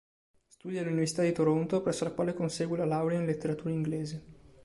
Studia all'Università di Toronto, presso la quale consegue la laurea in letteratura inglese.